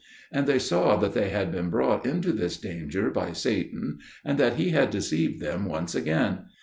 And they saw that they had been brought into this danger by Satan, and that he had deceived them once again.